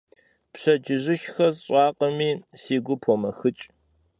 Пщэдджыжьышхэ сщӀакъыми, си гур помэхыкӀ.